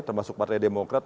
termasuk partai demokrat